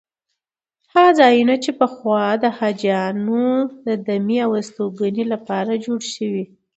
هغه ځایونه چې پخوا د حاجیانو دمې او استوګنې لپاره جوړ شوي.